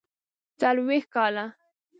څلوېښت کاله.